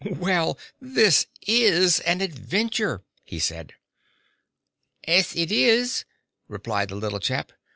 "Well, this IS an adventure!" he said. "'Es, it is!" replied the little chap.